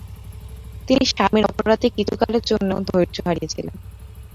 তিনি স্বামীর অপরাধে কিছুকালের জন্যেও ধৈর্য হারিয়েছিলেন।